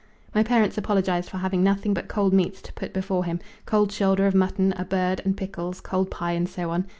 My parents apologized for having nothing but cold meats to put before him cold shoulder of mutton, a bird, and pickles, cold pie and so on.